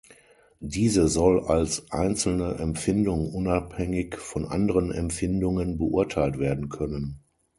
Diese soll als einzelne Empfindung unabhängig von anderen Empfindungen beurteilt werden können.